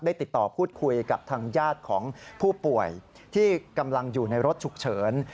ติดต่อพูดคุยกับทางญาติของผู้ป่วยที่กำลังอยู่ในรถฉุกเฉิน